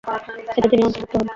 এতে তিনিও অন্তর্ভুক্ত হন।